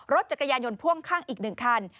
รถจักรยานยนต์พ่วงข้างอีก๑คัน